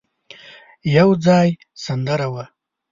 يو ځای سندره وه.